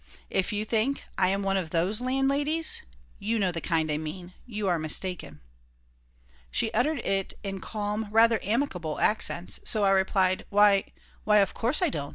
If you think I am one of those landladies you know the kind I mean you are mistaken." She uttered it in calm, rather amicable accents. So I replied: "Why, why, of course I don't!